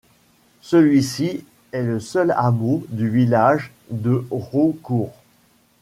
Celui-ci est le seul hameau du village de Roucourt.